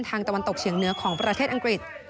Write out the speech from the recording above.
ตะวันตกเฉียงเหนือของประเทศอังกฤษ